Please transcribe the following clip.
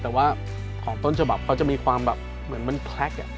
แต่ว่าของต้นฉบับเขาจะมีความแบบเหมือนมันแพล็ก